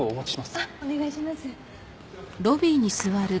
あっお願いします。